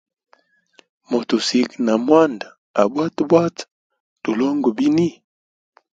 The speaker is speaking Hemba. Motusiga na mwanda abwatabwata, tulongwe bini?